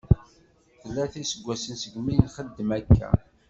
Tlata iseggasen segmi nxeddem akka.